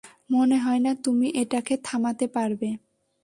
মনে হয় না তুমি এটাকে থামাতে পারবে।